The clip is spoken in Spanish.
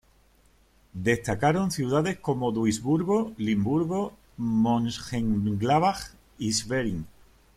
Destacaron ciudades como Duisburgo, Limburgo, Mönchengladbach y Schwerin.